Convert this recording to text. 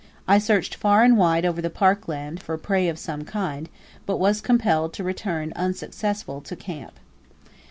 I searched far and wide over the park land for prey of some kind, but was compelled to return unsuccessful to camp.